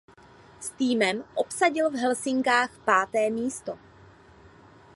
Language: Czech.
S týmem obsadil v Helsinkách páté místo.